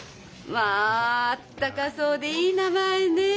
まああったかそうでいい名前ねえ。